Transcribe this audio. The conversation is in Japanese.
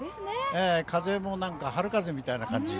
風も春風みたいな感じ。